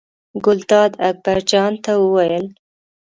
ګلداد اکبر جان ته وویل.